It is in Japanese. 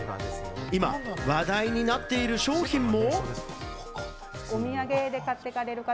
今話題になっている商品も。